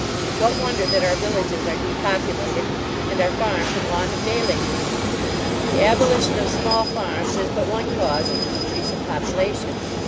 What wonder that our villages are depopulated, and our farms in want of day labourers? The abolition of small farms is but one cause of the decrease of population.